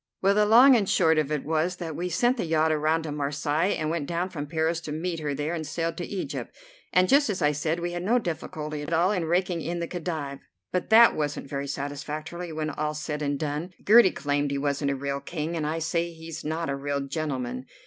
Well, the long and the short of it was that we sent the yacht around to Marseilles, and went down from Paris to meet her there, and sailed to Egypt, and, just as I said, we had no difficulty at all in raking in the Khedive. But that wasn't very satisfactory when all's said and done. Gertie claimed he wasn't a real king, and I say he's not a real gentleman.